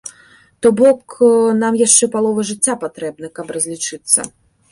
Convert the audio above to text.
То бок, нам яшчэ палова жыцця патрэбна, каб разлічыцца.